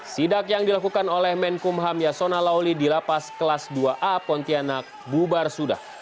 sidak yang dilakukan oleh menkumham yasona lawli di lapas kelas dua a pontianak bubar sudah